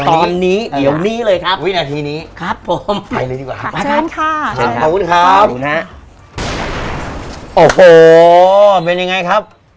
โอ้โหเป็นอย่างไงครับ